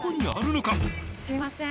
すみません。